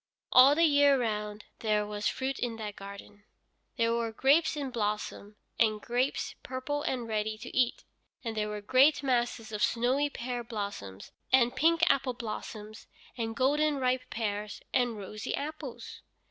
All the year round there was fruit in that garden. There were grapes in blossom, and grapes purple and ready to eat, and there were great masses of snowy pear blossom, and pink apple blossom, and golden ripe pears, and rosy apples.